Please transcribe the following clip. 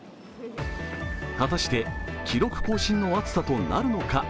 果たして記録更新の暑さとなるのか。